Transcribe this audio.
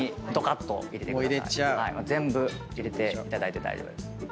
全部入れていただいて大丈夫です。